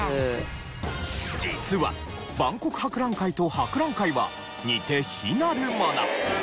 実は万国博覧会と博覧会は似て非なるもの。